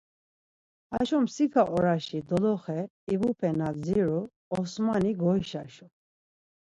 Haşo mtsika oraşi doloxe ivupe na dziru Osmani goişaşu.